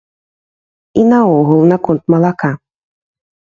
І наогул, наконт малака.